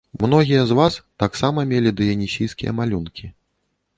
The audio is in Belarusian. Многія з ваз таксама мелі дыянісійскія малюнкі.